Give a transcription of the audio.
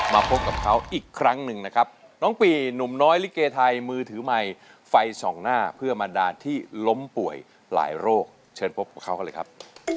มาพบกับเขาอีกครั้งหนึ่งนะครับน้องปีหนุ่มน้อยลิเกไทยมือถือไมค์ไฟส่องหน้าเพื่อบรรดาที่ล้มป่วยหลายโรคเชิญพบกับเขากันเลยครับ